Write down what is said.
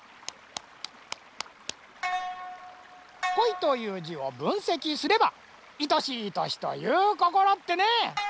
戀という字を分析すればいとしいとしと言う心ってね。